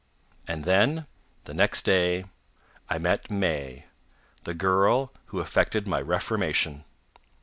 And then, the next day, I met May, the girl who effected my reformation.